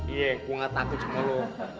iya aku gak takut sama lo